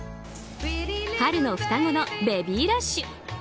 春の双子のベビーラッシュ。